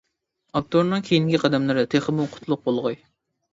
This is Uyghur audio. ئاپتورنىڭ كېيىنكى قەدەملىرى تېخىمۇ قۇتلۇق بولغاي!